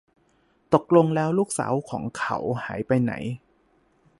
ตกลงแล้วลูกสาวของเขาหายไปไหน